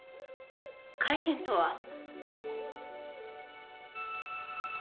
会見とは？